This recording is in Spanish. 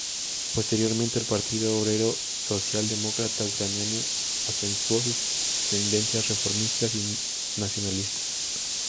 Posteriormente, el Partido Obrero Socialdemócrata Ucraniano acentuó sus tendencias reformistas y nacionalistas.